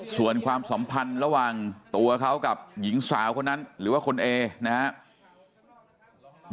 ส่วนความสัมพันธ์ระหว่างตัวเขากับหญิงสาวคนนั้นหรือว่าคุณเอนะครับ